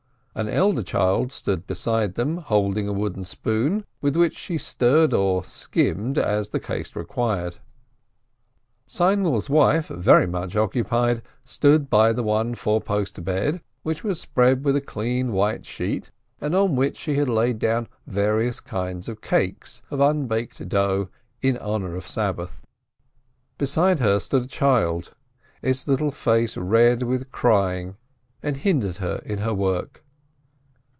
An elder child stood beside them holding a wooden spoon, with which she stirred or skimmed as the case required. Seinwill's wife, very much occupied, stood by the one four post bed, which was spread with a clean white sheet, and on which she had laid out various kinds of cakes, of unbaked dough, in honor of Sabbath. Beside her stood a child, its little face red with crying, and hindered her in her work.